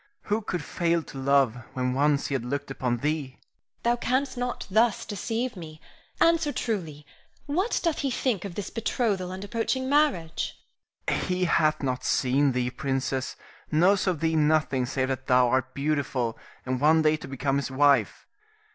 Who could fail to love when once he had looked upon thee? Irene. Thou canst not thus deceive me. Answer truly: What doth he think of this betrothal and approaching marriage? Rienzi. He hath not seen thee, princess, knows of thee nothing save that thou art beautiful, and one day to become his wife.